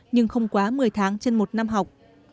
nhưng không quá một mươi tháng trên một năm học